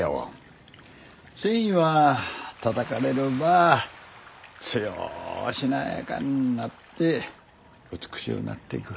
繊維はたたかれるばあ強うしなやかになって美しゅうなっていく。